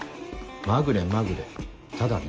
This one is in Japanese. まぐれまぐれただね